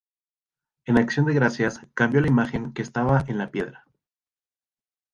En acción de gracias, cambió la imagen que estaba en la piedra.